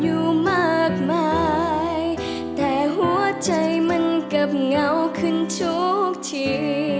อยู่มากมายแต่หัวใจมันกลับเงาขึ้นทุกที